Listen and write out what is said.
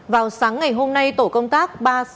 vào sáng ngày hôm nay tổ công tác